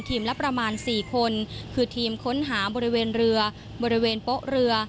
ละประมาณ๔คนคือทีมค้นหาบริเวณเรือบริเวณโป๊ะเรือ